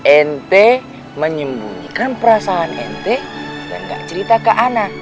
ente menyembunyikan perasaan ente dan gak cerita ke anak